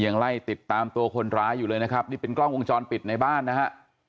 ยังไล่ติดตามตัวคนร้ายอยู่เลยนะครับนี่เป็นกล้องวงจรปิดในบ้านนะฮะ